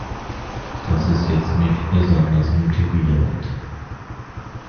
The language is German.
Das ist jetzt nicht besonders motivierend.